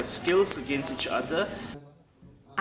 untuk bisa mengembangkan kemampuan mereka